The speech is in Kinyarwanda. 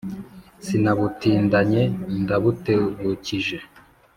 sinabutindanye ndabutebukije.